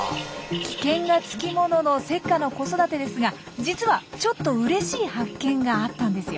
危険がつきもののセッカの子育てですが実はちょっとうれしい発見があったんですよ。